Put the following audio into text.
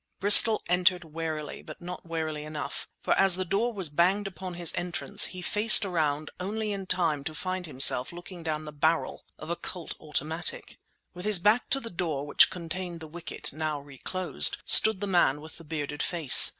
Bristol entered warily, but not warily enough. For as the door was banged upon his entrance he faced around only in time to find himself looking down the barrel of a Colt automatic. With his back to the door which contained the wicket, now reclosed, stood the man with the bearded face.